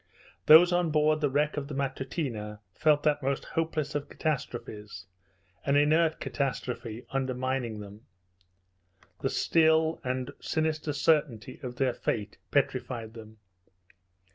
Those on board the wreck of the Matutina felt that most hopeless of catastrophes an inert catastrophe undermining them. The still and sinister certainty of their fate petrified them.